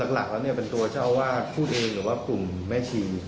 หลักแล้วเป็นตัวเจ้าอาวาสพูดเองหรือว่ากลุ่มแม่ชี